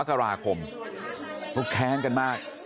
น้าสาวของน้าผู้ต้องหาเป็นยังไงไปดูนะครับ